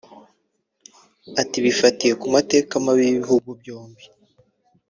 Ati "Bifatiye ku mateka mabi y’ibihugu byombi